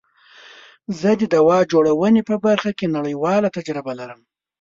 زه د دوا جوړونی په برخه کی نړیواله تجربه لرم.